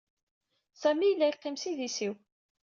Sami yella yeqqim s idis-iw.